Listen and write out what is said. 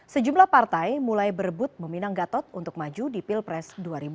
sejumlah partai mulai berebut meminang gatot untuk maju di pilpres dua ribu sembilan belas